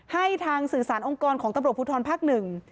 ให้ทางสื่อสารองค์กรของตำรวจภูทรภาคหนึ่ง